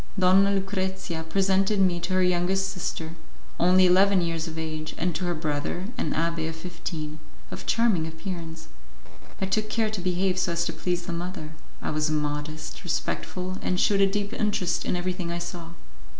Donna Lucrezia presented me to her youngest sister, only eleven years of age, and to her brother, an abbé of fifteen, of charming appearance. I took care to behave so as to please the mother; I was modest, respectful, and shewed a deep interest in everything I saw.